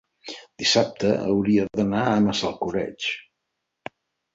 dissabte hauria d'anar a Massalcoreig.